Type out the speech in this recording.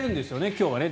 今日はね。